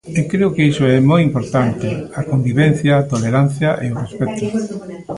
E creo que iso é moi importante: a convivencia, a tolerancia e o respecto.